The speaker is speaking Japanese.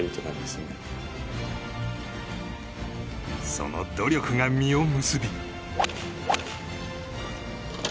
その努力が実を結び。